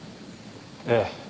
ええ。